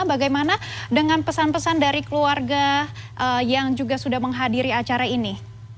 bagaimana dengan pesan pesan dari keluarga yang juga sudah menghadiri acara ini